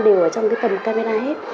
đều ở trong cái tầm camera hết